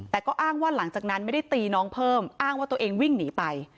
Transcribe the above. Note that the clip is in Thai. แต่ก็อ้างว่าหลังจากนั้นไม่ได้ตีน้องเพิ่มอ้างว่าตัวเองวิ่งหนีไป